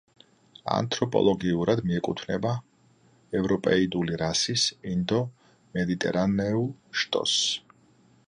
ანთროპოლოგიურად მიეკუთვნება ევროპეიდული რასის ინდო-მედიტერანეულ შტოს.